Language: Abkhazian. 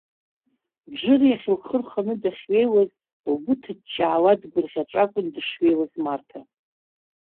Џыр иахь лхы рханы дахьҩеиуаз, лгәы ҭыҷҷаауа дгәырӷьаҵәа акәын дышҩеиуаз Марҭа.